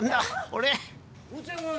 俺。